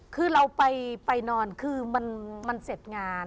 คือเราไปนอนคือมันเสร็จงาน